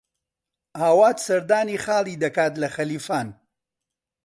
ئاوات سەردانی خاڵی دەکات لە خەلیفان.